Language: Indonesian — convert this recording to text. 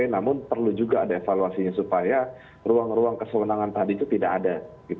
namun perlu juga ada evaluasinya supaya ruang ruang kesewenangan tadi itu tidak ada